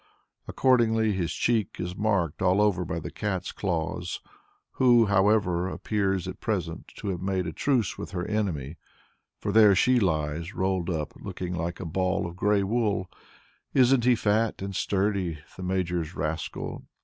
Accordingly, his cheek is marked all over by the cat's claws, who, however, appears at present to have made a truce with her enemy, for there she lies rolled up, looking like a ball of grey wool. Isn't he fat and sturdy, the Major's rascal?